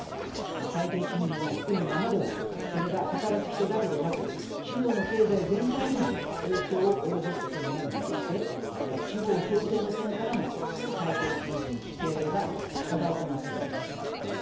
最低賃金が低いままではそれが働く人だけでなく地方の経済全体にも影響を及ぼすことになるわけでして地方創生の点からも最低賃金引き上げが課題となっているわけです。